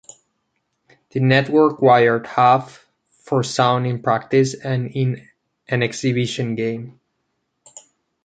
The network wired Huff for sound in practice and in an exhibition game.